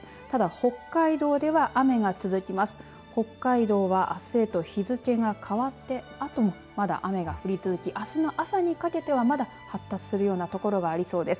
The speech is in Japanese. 北海道は、あすへと日付が変わってあともまだ雨が降り続きあすの朝にかけてはまだ発達するような所がありそうです。